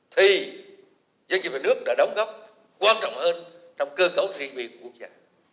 thì dân dân về nước đã đóng góp quan trọng hơn trong cơ cấu riêng biên quốc gia